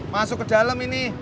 masuk ke dalam ini